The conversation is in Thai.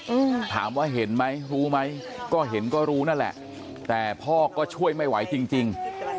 อืมถามว่าเห็นไหมรู้ไหมก็เห็นก็รู้นั่นแหละแต่พ่อก็ช่วยไม่ไหวจริงจริง